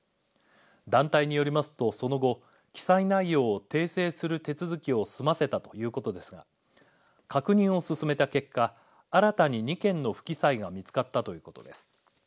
団体によりますと、その後記載内容を訂正する手続きを済ませたということですが確認を進めた結果新たに２件の不記載が見つかったということです。